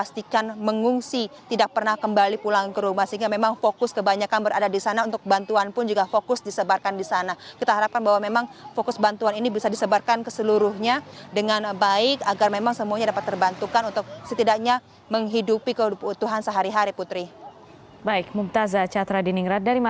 sedangkan memang secara garis besarnya bantuan ini memang belum diketahui